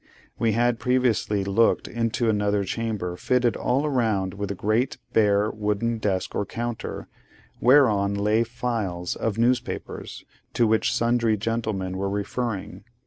We had previously looked into another chamber fitted all round with a great, bare, wooden desk or counter, whereon lay files of newspapers, to which sundry gentlemen were referring.